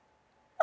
あ！